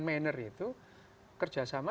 manner itu kerjasama